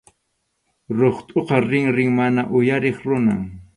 Ruqtʼuqa rinrin mana uyariq runam.